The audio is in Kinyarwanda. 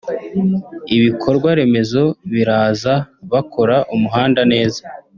Ibikorwa remezo biraza bakora umuhanda neza